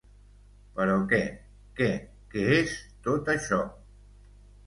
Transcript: Però què, què, què és, tot això?